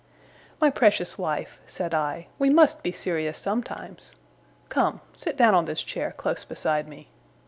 'My precious wife,' said I, 'we must be serious sometimes. Come! Sit down on this chair, close beside me!